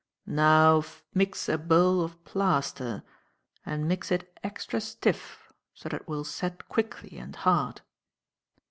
"Now mix a bowl of plaster and mix it extra stiff, so that it will set quickly and hard."